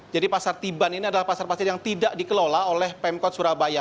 jadi pasar tiban ini adalah pasar pasar yang tidak dikelola oleh pemkot surabaya